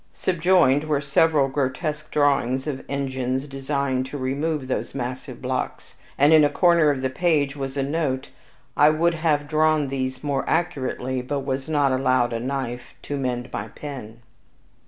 Subjoined were several grotesque drawings of engines designed to remove those massive blocks, and in a corner of the page was a note, "I would have drawn these more accurately, but was not allowed a KNIFE to mend my pen."